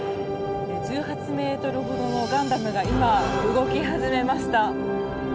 １８ｍほどのガンダムが今、動き始めました。